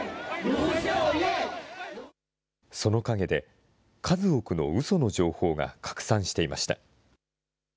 その陰で、数多くのうその情報が拡散していました。